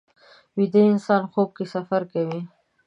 ویده انسان خوب کې سفر کوي